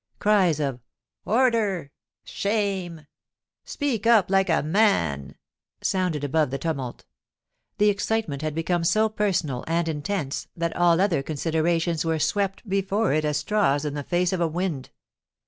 Cries of ' Order 1' * Shame I' * Speak up like a man 1' sounded above the tumult The excitement had become so personal and intense that all other considerations were swept before it as straws in the face of a wind.